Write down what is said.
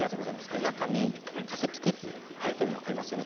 これ中にカセットテープ入ってるの分かりますよね。